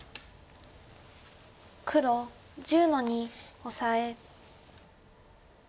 黒１０の二オサエ。